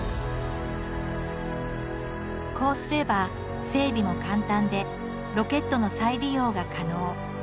こうすれば整備も簡単でロケットの再利用が可能。